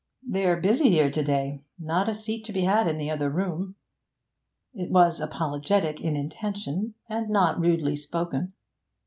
'They're busy here to day. Not a seat to be had in the other room.' It was apologetic in intention, and not rudely spoken.